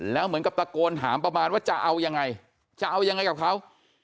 แล้วเหมือนกับตะโกนถามประมาณว่าจะเอายังไงจะเอายังไงกับเขา